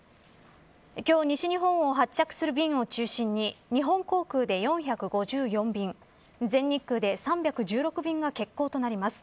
今日西日本を発着する便を中心に日本航空で４５４便全日空で３１６便が欠航となります。